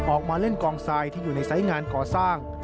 ออกมาเล่นกองทรายที่อยู่ในไซส์งานก่อสร้าง